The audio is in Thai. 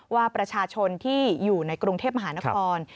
ว่าประชาชนที่อยู่ในกรุงเทพมหานคร